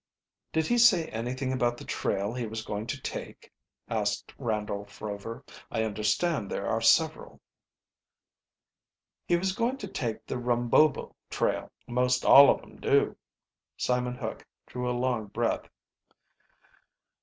"Did he say anything about the trail he was going to take?" asked Randolph Rover. "I understand there are several." "He was going to take the Rumbobo trail, most all of 'em do." Simon Hook drew a long breath.